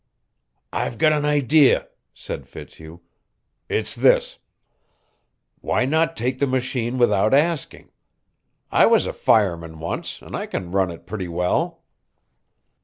"I've got an idea," said Fitzhugh. "It's this: why not take the machine without asking? I was a fireman once, and I can run it pretty well."